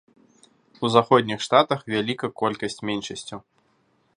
У заходніх штатах вяліка колькасць меншасцяў.